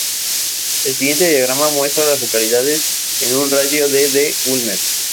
El siguiente diagrama muestra a las localidades en un radio de de Ulmer.